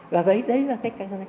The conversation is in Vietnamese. và đấy là cách các em thấy